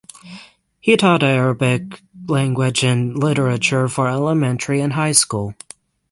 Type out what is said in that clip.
He taught Arabic language and literature for elementary and high school.